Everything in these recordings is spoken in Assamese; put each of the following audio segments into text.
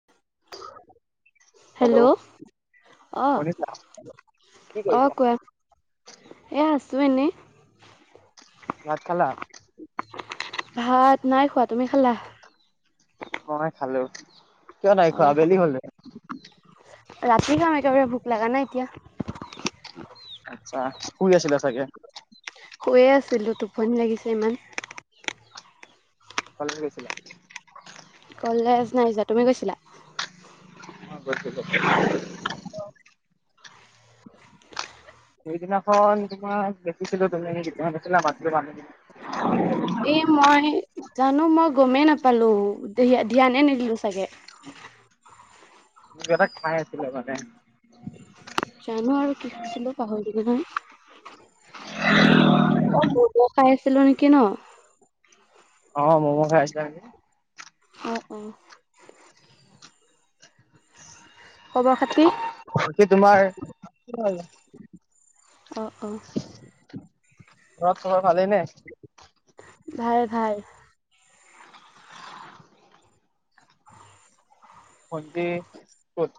[unintelligible] হেল্ল অ শুনিছা কি অ কৰিছা কোৱা। এ আছো এনেই। ভাত খালা ভাত নাই খোৱা তুমি খালা মই খালোঁ। অহা নাই যে ৰাতি খাম একেবাৰে ভোক লাগা নাই এতিয়া। আচ্ছা, শুই আছিলা চাগে শুইয়ে আছিলো টোপনি লাগিছে ইমান। কলেজ গৈছিলা কলেজ নাই যোৱা তুমি গৈছিলা মই গৈছিলোঁ। সেইদিনাখন তোমাক দেখিছিলো তুমি দোকানত আছিলা মাতিলো মাত নিদিলা এই মই জানো, মই গমেই নাপালোঁ ধি ধ্যানে নিদিলোঁ চাগে। কিবা এটা খাই আছিলা মানে। জানো আৰু কি খাইছিলোঁ পাহৰি গ'লো নহয়। অ ম'ম খাই আছিলোঁ নেকি ন অ', ম'ম খাই আছিলা নেকি। অ অ খবৰ খাতি বাকী তোমাৰ অ অ'। ঘৰত চবৰ ভালেই নে ভাল ভাল। ভণ্টি ক'ত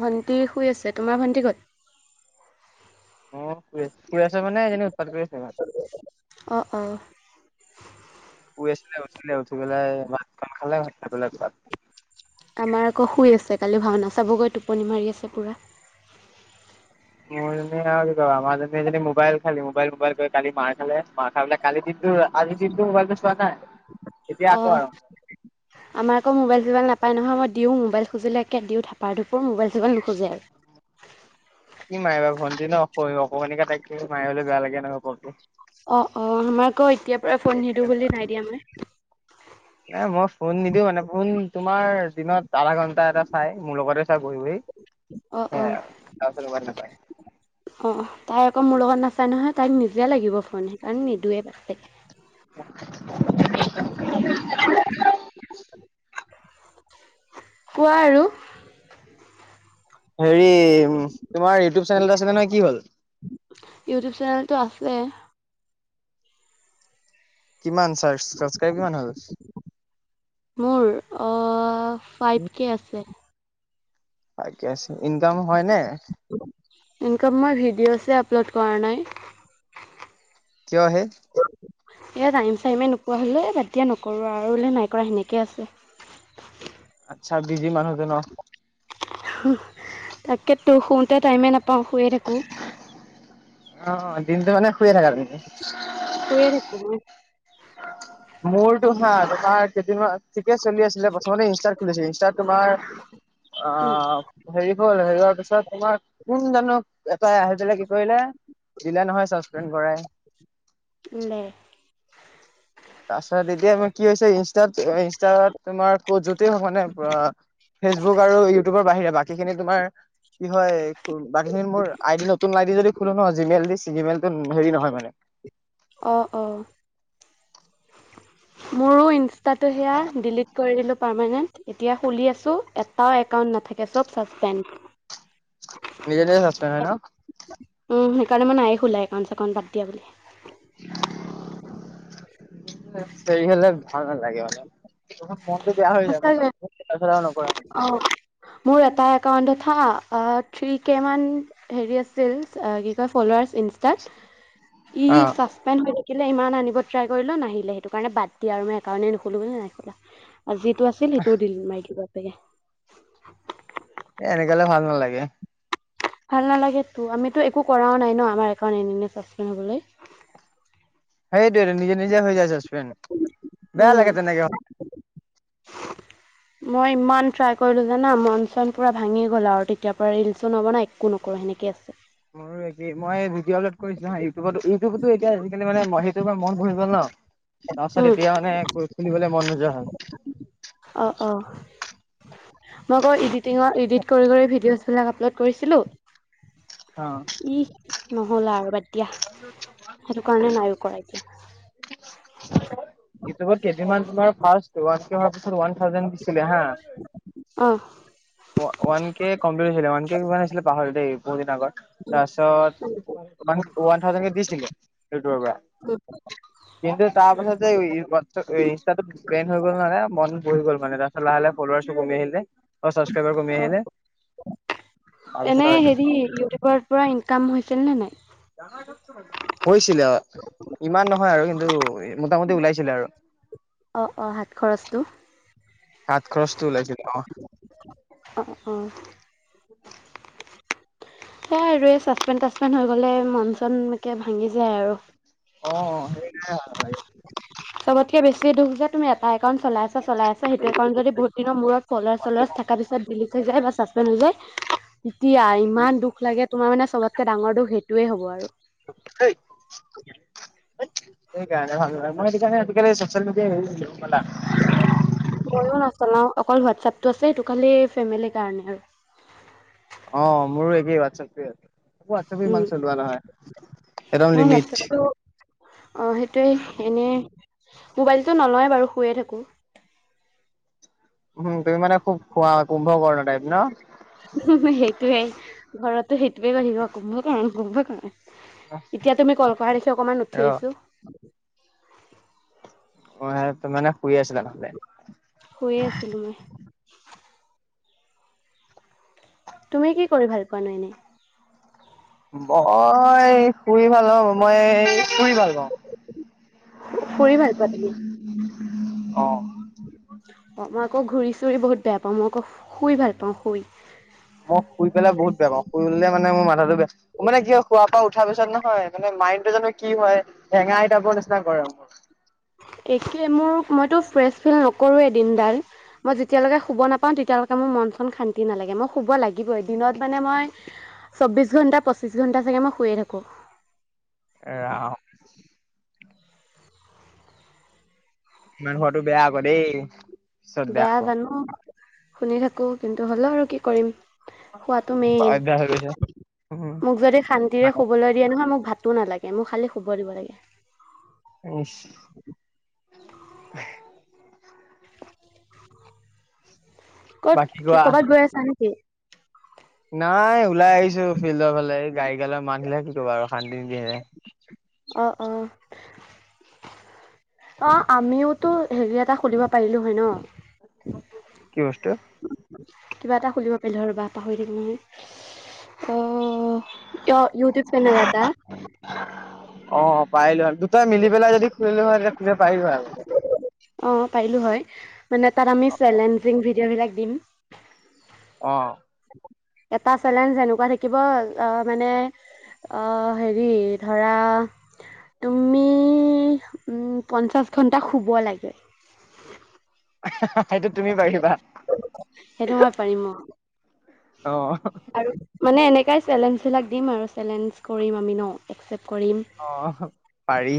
ভণ্টি শুই আছে তোমাৰ ভণ্টি ক'ত অ শুই আছে শুই আছে মানে এনেই উৎপাত কৰি আছে ইমান অ অ শুই আছিলে উঠিলে উঠি পেলাই ভাত কেটামান খালে খালে ভাত খাই পেলাই ক'ৰবাত। আমাৰ আক শুই আছে, কালি ভাওনা চাবগৈ টোপনি মাৰি আছে পোৰা। মোৰ জনীয়ে কি কৰিব আমাৰ জনীয়ে মোবাইল খালি, মোবাইল, মোবাইল কৰি কালি মাৰ খালে। মাৰ খাই পেলাই কালি দিনটো আজি দিনটো মোবাইলটো চোৱা নাই এতিয়া অ আকৌ আৰম্ভ আমাৰ আকৌ মোবাইল-চোবাইল নাপাই নহয় মই দিওঁ মোবাইল খুজিলে একে দিওঁ থাপাৰ থুপুৰ মোবাইল তাৰ পৰা নোখোজে আৰু। কি মাৰিবা ভণ্টি ন স অকমানিকে তাইক মাৰিবলে বেয়া লাগে নহয় সৰু যে অ অ আমাৰ আকৌ এতিয়াৰ পৰা ফোন নিদিওঁ বুলি নাই দিয়া মই এ মই ফোন নিদিওঁ মানে ফোন তোমাৰ দিনত আধা ঘণ্টা এটা চাই মোৰ লগতে চাই বহি বহি। অ অ সেয়াই আৰু তাৰপাছত মোবাইল নাপায় অ অ তাই আকৌ মোৰ লগত নাচায় নহয়, তাইক নিজে লাগিব ফোন সেইকাৰণে নিদিওয়ে বাপেকে। কোৱা আৰু। হেৰি উম, তোমাৰ ইউটিউব চেনেল [unintelligible] আছিলে নহয়, কি হ'ল? ইউটিউব চেনেলটো আছে। কিমান চা্চক্ৰাইবাৰ কিমান হ'ল? মোৰ ফাইভ কে আছে। ইনকামো হয় নে? ইনকাম মই ভিডিঅ'ছে আপলোড কৰা নাই। কিয় হে? এয়া টাইম চাইমে নোপোৱা হ'লে বাদ দিয়া নকৰোঁ আৰু বোলে নাই কৰা সেনেকৈ আছে। আচ্ছা বিজি মানুহ যে ন? তাকেত তো শুওঁতে টাইমেই নাপাওঁ শুয়ে থাকোঁ। অ', অ', দিনটো মানে শুয়ে থাকা তুমি? শুইৱে থাকোঁ মই। মোৰতো হা তোমাৰ কেইদিনমান ঠিকে চলি আছিলে প্ৰথমতে ইনষ্টাত খুলিছিল ইনষ্টাত তোমাৰ আ উম হেৰি হ'ল হেৰি হোৱাৰ পিছত তোমাৰ কোন জানো এটাই আহি পেলাই কি কৰিলে দিলে নহয় চাচপেণ্ড কৰাই। [inaudible] তাৰপিছত এতিয়া মই কি হৈছে ইনষ্টাত ইনষ্টাত তোমাৰ ক'ত যতেই হওক মানে ফেচবুক আৰু ইউটিউবৰ বাহিৰে বাকীখিনি তোমাৰ কি হয় বাকী খিনি মোৰ আই ডি নতুন আই ডি যদি খোলো ন জিমেইল দি চিমল এক হেৰি নহয় মানে। অ', অ'। [inaudible] মোৰো ইনষ্টাটো সেয়া ডিলিট কৰি দিলোঁ পাৰমানেণ্ট এতিয়া খুলি আছোঁ এটাও একাউণ্ট নাথাকে চব ছাছপেণ্ড। নিজে, নিজে ছাছপেণ্ড হয় ন? উম সেইকাৰণে মানে নাইয়ে খোলাই একাউণ্ট চেকাউণ্ট বাদ দিয়া বুলি। [unintelligible] হলে ভাল নালাগে মানে। মন টো বেয়া হৈ যায় সঁচাকে। [unintelligible] অ', মোৰ এটা একাউণ্ট এথা থ্ৰী কে মান হেৰি আছিল কি কয় ফলোৱাৰছ ইনষ্টাত ই এ হৈ থাকিলে ইমান আনিব ট্ৰাই কৰিলো নাহিল সেই কাৰণে বাদ দিয়া আৰু ই কাৰণে নুখলো বুলি নাই খোলা। আৰু যিটো আছিল সেইটোও দিলিট মাৰি দিলো বাপেকে। এ এনেকে ভাল নালাগে। ভাল নালাগেতো আমিতো একো কৰাও নাই ন আমাৰ একাউণ্ট এনে এনে ছাছপেণ্ড হ'বলৈ। সেইটোৱেটো নিজে, নিজে হৈ যাই ছাছপেণ্ড বেয়া উম লাগে তেনেকে। [inaudible] মই ইমান ট্ৰাই কৰিলোঁ জানা মন চন পূৰা ভাঙি গ'ল আৰু তেতিয়াৰ পৰা ৰিলচো ন'বনাও একো নকৰো সেনেকৈ আছো। [inaudible] আৰু মই ভিডিঅ আপলোড কৰিছিলো হ ইউটিউবত ইউটিউবতো এতিয়া আজিকালি মে ম সেইটো মন ভৰি গল ন। তাৰপছত উম এতিয়া মানে খুলিবলে মন নোযোৱা হয়। অ', অ'। মই কৌ এডিটিঙৰ এডিট কৰি, কৰি ভিডিঅ'জ বিলাক আপলোড কৰিছিলো অ'। ই নহ'লা আৰু বাদ দিয়া সেইটো কাৰণে নাইয়ো কৰা এতিয়া। [inaudible] ইউটিউবত কেইদিনমান তোমাৰ ফাৰ্ষ্ট ওৱান কে হোৱাৰ পিছত ওৱান থাউজেণ দিছিলে হা অ'। ৱান কে কমপ্লিট হৈছিলে, ওৱান কে কিমান আছিলে পাহৰিলোঁ দে, বহুত দিন আগৰ তাৰপিছত মন ওৱান থাউজেনকে দিছিলে ইউটিউবৰ পৰা। কিন্তু তাৰপাছত [unintelligible] ইনষ্টাটোত ফ্ৰেন্ড হৈ গ'লন' মানে মন বহি গ'ল মানে, তাৰপিছত লাহে লাহে ফ্ল'ৱাৰ্ছ কমি আহিলে। অ' ছাবস্ক্ৰাইবাৰ কমি আহলে। এনেই হেৰি ইউটিউবৰ পৰা ইনকাম হৈছিল নে নাই? হৈছিলে, ইমান নহয় আৰু কিন্তু মোটামুটি ওলাইছিলে আৰু। অ', অ' হাত খৰচটো। হাত খৰচটো ওলাইছিল অ'। অ', অ'। [inaudible] সেই আৰু এই চাছপেন তাচপেন হৈ গ'লে মন চন একে ভাঙি যায় আৰু। অ' সেইটোৱে ভাল লাগে। চবতকে বেছি দুখ যে তুমি এটা একাউণ্ট চলাইছা চলাই আছা সেইটো সেইকাৰণে ভাল একাউণ্ট যদি বহুত দিনৰ মূৰত ফ্ল'ৱাৰচ চল'ৱাৰ থাকা পিছত বিলিচ হৈ যায় বা ছাচপেণ্ড হৈ যায় এতিয়া ইমান দুখ লাগে, তোমাৰ মানে চবতকে ডাঙৰ দুখ সেইটোয়ে হ'ব আৰু। [unintelligible] সেই কাৰণে ভাল নালাগে, মই এইটো কাৰণ আজিকালি ছচিয়েল মিডিয়াল এৰি দিলোঁ গম পালা। ময়ো নচলাও, অকল হোৱাটছাপটো আছে সেইটো খালি ফেমিলিৰ কাৰণে আৰু। অ' মোৰো একেই হোৱাটছএপটোৱে আছে তাকো হোৱাটছএপ উম, ইমান চলোৱা নহয় একদম মই লিমিট। হোৱাটছআপটো অ' সেইটোৱে, এনে মোবাইলটো নলৱে বাৰু, শুয়ে থাকোঁ। উম, তুমি মানে খুব শুৱা কুম্ভ কৰ্ণ টাইপ ন'। সেইটোৱেই, ঘৰতো সেইটোৱে ভাবিব কুম্ভকৰ্ণ, কুম্ভকৰ্ণ। এতিয়া তুমি কল কৰা দেখি অকমান উঠি আহিছোঁ। অ' [unintelligible] মানে শুই আছিলা নহ'লে। শুইয়ে আছিলোঁ মই। তুমি কি কৰি ভাল পোৱা ন' এনেই? মই শুই ভাল নাপাওঁ, মই ফুৰি ভাল পাওঁ। ফুৰি ভাল পোৱা তুমি? অ অ' মই আকৌ ঘূৰি চুৰি বহুত বেয়া পাওঁ, মই আকৌ শুই ভাল পাওঁ শুই। মই শুই পেলাই বহুত বেয়া পাওঁ, শুই উঠলে মানে মোৰ মাথাটো বেয়া মানে কি হয় শুৱাৰ পৰা উঠাৰ পিছত নহয় মানে মাইণ্ডটো জানো কি হয়, হেঙা এটাবৰ নিচিনা গৰম হয়। একে, মোৰ মইতো ফ্ৰেচ ফিল নকৰোৱে দিনডাল। মই যেতিয়ালৈকে শুব নাপাওঁ তেতিয়ালৈকে মোৰ মনচন শান্তি নালাগে, মই শুব লাগিবই, দিনত মানে মই চৌব্ববিছ ঘণ্টা, পঁচিছ ঘণ্টা চাগে মই শুয়ে থাকোঁ। ৰাম ইমান শুৱাটো বেয়া আকৌ দেই, পিছত বেয়া হ'ব। শুনি থাকোঁ কিন্তু হ'লেও আৰু কি কৰিম, শুৱাটো মেইন। অভ্যাস হৈ গৈছে মোক যদি শান্তিৰে শুবলৈ দিয়ে নহয় মোক ভাতো নালাগে, মোক খালি শুব দিব লাগে। [unintelligible] ক'ত বাকী কি কোৱা ক'ৰবাত গৈ আছা নেকি? নাই ওলাই আহিছোঁ ফিল্ডৰ ফালে, গাড়ীবিলাকৰ মাতবোৰে কি ক'বা আৰু শান্তি নিদিয়ে। অঁ অঁ অ আমিওতো হেৰি এটা খুলিব পাৰিলো হয় ন কি বস্তু কিবা এটা খুলিব পাৰিলো হয় ৰবা পাহৰি থাকিলো। অ ইউটুব চেনেল এটা। অ পাৰিলো হয় আৰু দুটা মিলিলাই যদি খুলিলো হয় তেতিয়া খুলিব পাৰিলো হয় আৰু অ পাৰিলো হয় মানে তাত আমি চেলেঞ্জিং ভিডিঅ' বিলাক দিম। অ্ এটা চেলেঞ্জ যেনেকুৱা থাকিব অহ মানে অ হেৰি ধৰা তুমি পঞ্চাছ ঘণ্টা শুব লাগে। সেইটো তুমি পাৰিবা সেইটো মই পাৰিম অ অহ্ আৰু মানে এনেকাই চেলেঞ্জ বিলাক দিম আৰু চেলেঞ্জ কৰিম আমি ন একচেপ্ট কৰিম অহ পাৰি।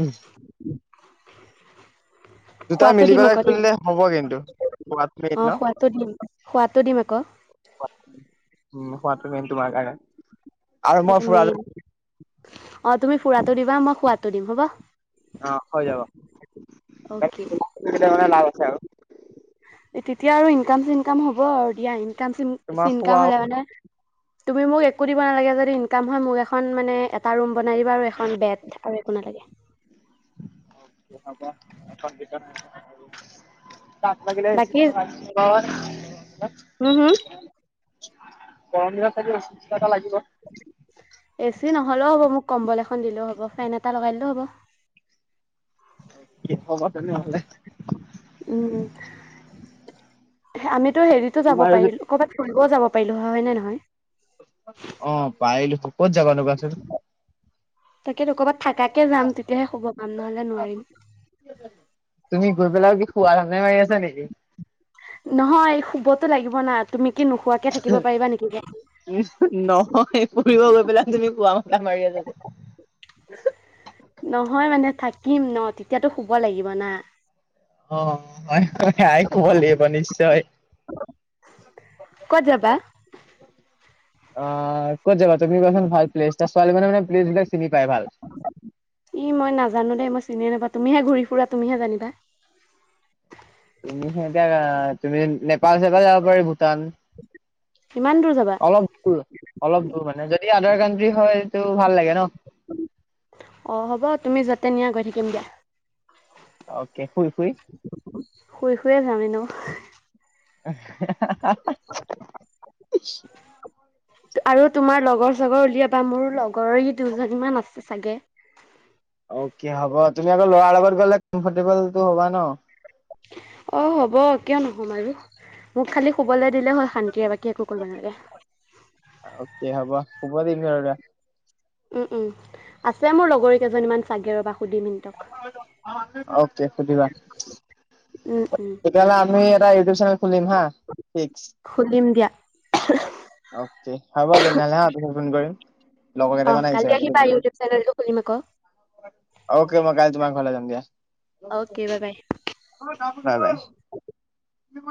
দুটাই খোৱাটো মিলি দিম পেলাই আকৌ দেই খুলিলে হ'ব কিন্তু, খোৱাটো মেইন অ ন? খোৱাটো দিম খোৱাটো দিম আকৌ। উ খোৱাটো মেইন তোমাৰ কাৰণে, আৰু মই ফুৰা মেইন যদি অ তুমি ফুৰাটো দিবা মই খোৱটো দিম হ'ব অ হৈ যাব মান কি অ'কে বুলি কয় লাভ আছে আৰু [unintelligible] তেতিয়া আৰু ইনকাম চিনকাম হ'ব আৰু দিয়া ইনকাম চিন তোমাৰ খোৱা চিনকাম হ'লে মানে। তুমি মোক একো দিব নালাগে যে্, ইনকাম হয় মোক এখন মানে এটা ৰুম বনাই দিবা আৰু এখন বেট আৰু একো নালাগে। চাবা এখন বিছনা [unintelligible] দাক লাগিলে বাকী ৰিচিপ নহয় হম হম [unintelligible] গৰম দিনত চাবি ৰেচিপচন এটা লাগিব। এ চি নহলেও হ'ব মোক কম্বল এখন দিলেও হ'ব ফেন এটা লগাই দিলেও হ'ব? কি হ'ব তেনেহলে? উম উম আমিতো হেৰিতো যাব তোমাৰ যদি পাৰিলো ক'ৰবাত ফুৰিবও যাব পাৰিলো হয় নে নহয়। অ পাৰিলোটো ক'ত জাবা নো কোৱাছোন? তাকেতো ক'ৰবাত থাকা কে যাম তেতিয়াহে শুব পাম নহলে নোৱাৰিম। তুমি গৈ পেলাও কি শুৱা ধান্ধাহে মাৰি আছা নেকি? নহয় শুবতো লাগিব না তুমি কি নোখোৱাকে থাকিব পাৰিবা নেকি কোৱাচোন নহয় ফুৰিব গৈ পেলাই তুমি শুৱা মাথা মাৰি আছা যে। নহয় মানে থাকিম ন তেতিয়াতো শুব লাগিব না। অ হয় আই শুব লাগিব নিশ্চয়। ক'ত যাবা। আহ ক'ত যাবা তুমি কোৱাচোন ভাল প্লেছ তাৰ ছোৱালী মানুহে মানে প্লেছ বিলাক চিনি পায় ভাল। ই মই নাজানো দেই মই চিনি নাপাও তুমিহে ঘূৰি ফুৰা তুমিহে জানিবা। তুমি সিহঁতৰ তুমি নেপাল চেপাল যাব পাৰি ভূটান। ইমান দূৰ যাবা। অলপ দূৰ অলপ দূৰ মানে যদি আদাৰ কাণ্ট্ৰি হয়তটো ভাল লাগে ন অঁ হ'ব তুমি য'তে নিয়া গৈ থাকিম দিয়া। অকে শুই শুই্ শুই শুইয়ে যাম এনেও। [unintelligible] আৰু তোমাৰ লগৰ চগৰ উলিয়াবা, মোৰ লগৰ দুজনীমান আছে চাগে। অকে হ'ব তুমি আকৌ লৰাৰ লগত গ'লে কমফৰ্টেবলটো হ'বা ন। অ' হ'ব কিয় নহম আৰু। মোক খালি শুবলৈ দিলে হ'ল শান্তিৰে বাকী একো কৰিব নালাগে। অকে হ'ব, শুব দিম ধৰি লোৱা। উম উম, আছে মোৰ লগৰীকেইজনীমান চাগে ৰবা সুধিম। সিহঁতক অ'কে সুধিবা। উম, উম। তেতিয়া হ'লে আমি এটা ইউটিউব চেনেল খুলিম হা। ফিক্স খুলিম দিয়া। অ'কে হ'ব তেনেহ'লে হা পিছত ফোন কৰিম, লগৰ অঁ কেইটামান কালি আহিছে আহিবা মানে। ইউটিউব চেনেলটো খুলিম আক। অ'কে মই কালি তোমাৰ ঘৰলে যাম দিয়া। অ'কে বাই বাই বা বাই।